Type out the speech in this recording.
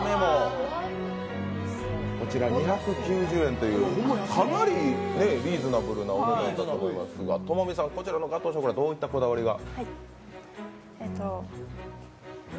こちら２９０円というかなりリーズナブルなお値段だと思いますがこちらのガトーショコラ、どういったこだわりが？